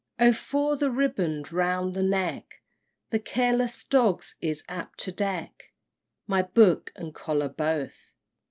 XI. Oh for the riband round the neck! The careless dogs ears apt to deck My book and collar both!